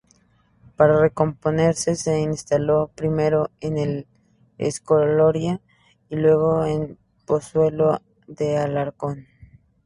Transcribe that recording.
Para reponerse se instaló primero en El Escorial y luego en Pozuelo de Alarcón.